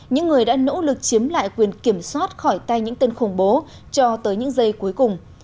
những người đã nỗ lực chiếm lại quyền kiểm soát khỏi tay những tên khủng bố cho tới những giây cuối cùng